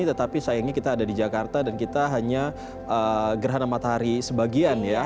tetapi sayangnya kita ada di jakarta dan kita hanya gerhana matahari sebagian ya